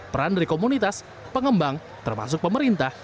peran dari komunitas pengembang termasuk pemerintah